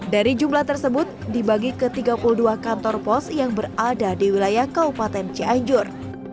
dari jumlah tersebut dibagi ke tiga puluh dua kantor pos yang berada di wilayah kabupaten cianjur